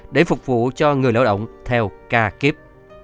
để phục vụ cho người lợi động theo ca kiếp